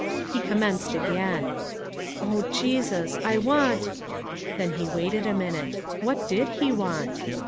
He commenced again, "Oh, Jesus, I want" Then he waited a minute. What did he want?